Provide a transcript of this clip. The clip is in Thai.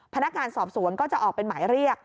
พนักงานสอบสวนก็จะออกเป็นหมายเรียก